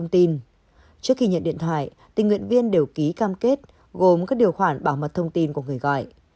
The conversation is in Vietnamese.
trước khi nhận điện thoại tình nguyện viên đều ký cam kết gồm các điều khoản bảo mật thông tin của người gọi